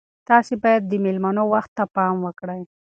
تاسي باید د میلمنو وخت ته پام وکړئ.